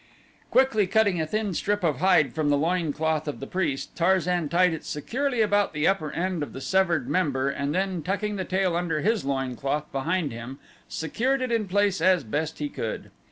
Quickly cutting a thin strip of hide from the loin cloth of the priest, Tarzan tied it securely about the upper end of the severed member and then tucking the tail under his loin cloth behind him, secured it in place as best he could.